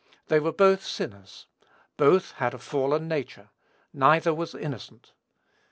They were both sinners. Both had a fallen nature. Neither was innocent.